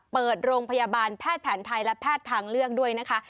เปิดโรงพยาบาลแพทย์แผนไทยและแพทย์ทางเลือกด้วยนะคะ